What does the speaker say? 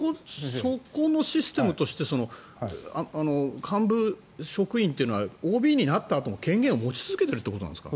そこのシステムとして幹部職員というのはＯＢになったあとも権限を持ち続けているということなんですか？